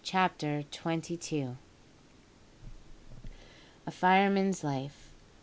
CHAPTER TWENTY TWO. A FIREMAN'S LIFE.